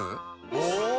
お！